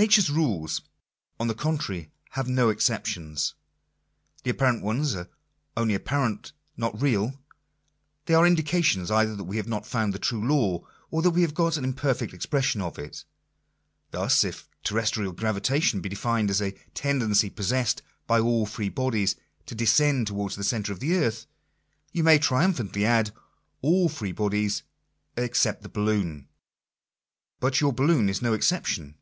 Nature's rules, on the contrary, have no exceptions. The) apparent ones are only apparent; not real. They are indica f dons either that we have not found the true law, or that we' have got an imperfect expression of it. Thus, if terrestrial gravitation be defined as " a tendency possessed by all free bodies to descend towards the centre of the earth," you may triumphantly add —" all free bodies except the balloon." But your balloon is no exception.